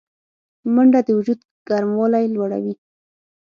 منډه د وجود ګرموالی لوړوي